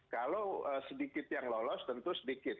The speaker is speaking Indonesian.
kalau sedikit yang lolos tentu sedikit